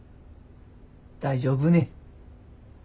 大丈夫ね？